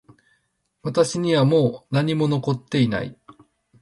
私にはもう何も残っていない